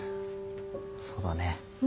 そうだね。